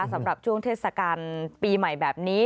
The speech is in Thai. สำหรับช่วงเทศกาลปีใหม่แบบนี้